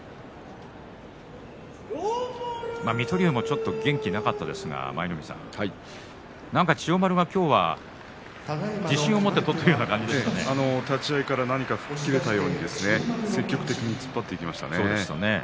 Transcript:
水戸龍もちょっと元気がなかったですがなんか千代丸が今日は自信を持って取っているような立ち合いから何か吹っ切れたように積極的に突っ張っていきましたね。